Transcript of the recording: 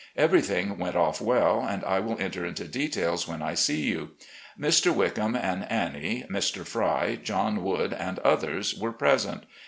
Every thing went off well, and I will enter into details when I see you. Mr. Wickham and Annie, Mr. Fry, John Wood, and others were present.